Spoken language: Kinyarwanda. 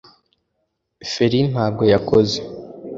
feri ntabwo yakoze